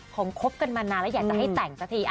คบกันมานานแล้วอยากจะให้แต่งสักที